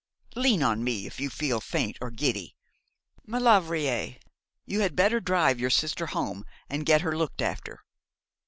Lean on me, if you feel faint or giddy. Maulevrier, you had better drive your sister home, and get her looked after.'